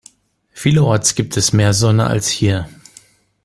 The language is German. Vielerorts gibt es mehr Sonne als hier.